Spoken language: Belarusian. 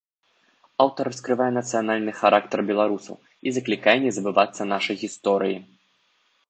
Аўтар раскрывае нацыянальны характар беларусаў і заклікае не забывацца нашай гісторыі.